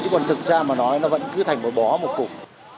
chứ còn thực ra mà nói nó vẫn cứ thành một bó một cục